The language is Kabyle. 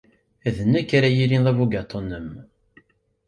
D nekk ara yilin d abugaṭu-nnem.